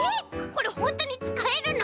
これほんとにつかえるの？